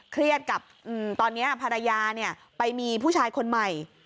เครียดกับตอนนี้ภรรยาไปมีผู้ชายคนใหม่